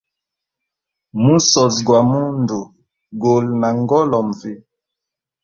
Musozi gwa mundu guli na ngolonvi.